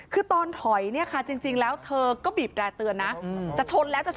คือตอนถ่อยนี่ค่ะจริงแล้วเธอก็บีบแจ้เตือนนะ